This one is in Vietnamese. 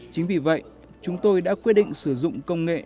chính vì vậy chúng tôi đã quyết định sử dụng công nghệ